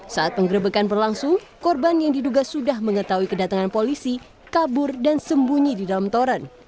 saat penggerebekan berlangsung korban yang diduga sudah mengetahui kedatangan polisi kabur dan sembunyi di dalam toren